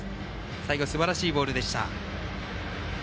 最後すばらしいボールでした。